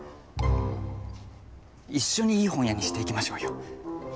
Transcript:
一緒にいい本屋にしていきましょうよ。